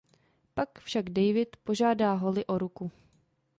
Pak však David požádá Holly o ruku.